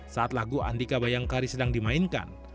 saat lagu andika bayangkari sedang dimainkan